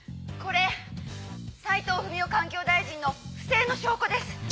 これ斎藤富美男環境大臣の不正の証拠です！